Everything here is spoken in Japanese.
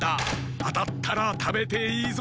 あたったらたべていいぞ。